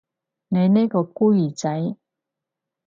你呢個孤兒仔